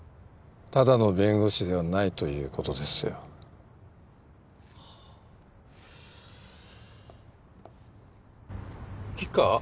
ただの弁護士ではないということですよ菊川？